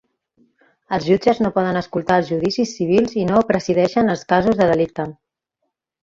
Els jutges no poden escoltar els judicis civils i no presideixen els casos de delicte.